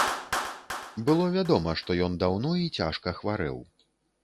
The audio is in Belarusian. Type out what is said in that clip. Было вядома, што ён даўно і цяжка хварэў.